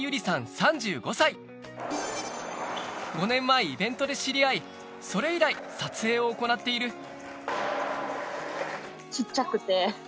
５年前イベントで知り合いそれ以来撮影を行っている